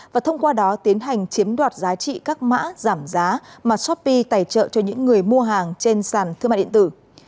và thông qua đó tiến hành chiếm đoạt giá trị các mã giảm giá mà shopee tài trợ cho những người mua hàng trên sàn thương mạng điện tử